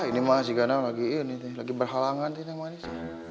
wah ini mah si ganel lagi ini nek lagi berhalangan nek nek manis